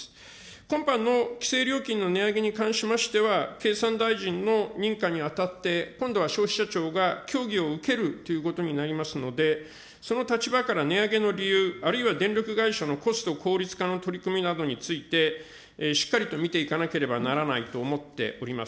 今般の規制料金の値上げに関しましては、経産大臣の認可にあたって、今度は消費者庁が協議を受けるということになりますので、その立場から値上げの理由、あるいは電力会社のコスト効率化の取り組みなどについて、しっかりと見ていかなければならないと思っております。